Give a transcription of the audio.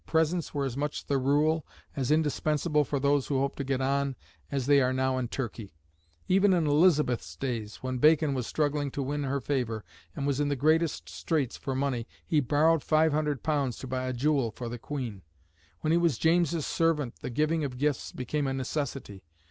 Presents were as much the rule, as indispensable for those who hoped to get on, as they are now in Turkey. Even in Elizabeth's days, when Bacon was struggling to win her favour, and was in the greatest straits for money, he borrowed £500 to buy a jewel for the Queen. When he was James's servant the giving of gifts became a necessity.